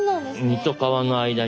身と皮の間。